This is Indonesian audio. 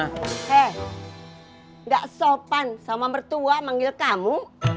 hei gak sopan sama mertua manggil kamu